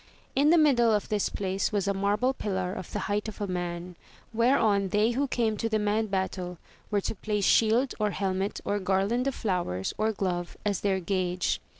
In the middle of this place was a marble pillar of the height of a man, whereon they who came to demand battle were to place shield, or helmet, or garland of flowers, or glove, as their gage.